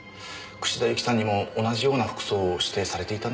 串田ユキさんにも同じような服装を指定されていたんですか？